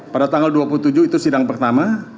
pada tanggal dua puluh tujuh itu sidang pertama